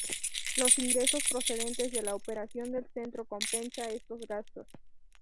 Los ingresos procedentes de la operación del Centro compensa estos gastos.